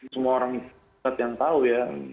semua orang yang tahu ya